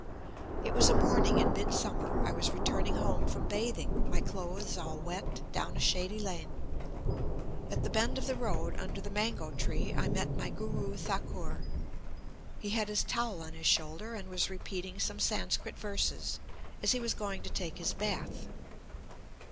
"It was a morning in midsummer. I was returning home from bathing, my clothes all wet, down a shady lane. At the bend of the road, under the mango tree, I met my Guru Thakur. He had his towel on his shoulder and was repeating some Sanskrit verses as he was going to take his bath.